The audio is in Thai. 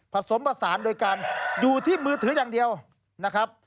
ผสมผสานโดยการอยู่ที่มือถืออย่างเดียวนะครับ